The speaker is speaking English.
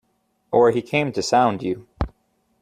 Or he came to sound you.